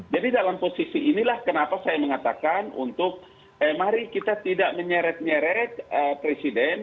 dalam posisi inilah kenapa saya mengatakan untuk mari kita tidak menyeret nyeret presiden